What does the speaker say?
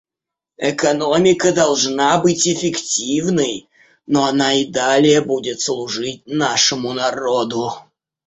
Экономика должна быть эффективной, но она и далее будет служить нашему народу.